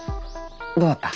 どうだった？